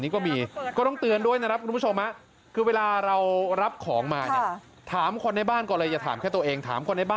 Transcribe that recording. ก็เลยรับของแทนลูกนะครับ